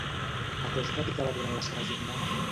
A què es dedicava durant la seva jornada?